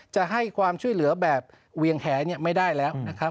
จะให้ความช่วยเหลือแบบเวียงแหไม่ได้แล้วนะครับ